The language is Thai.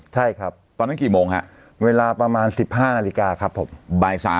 ใช่ครับตอนนั้นกี่โมงฮะเวลาประมาณ๑๕นาฬิกาครับผมบ่าย๓